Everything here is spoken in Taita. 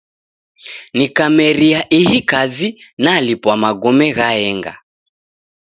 Nikameria ihi kazi nalipwa magome ghaenga.